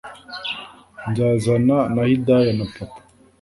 nzazana na Hidaya na papa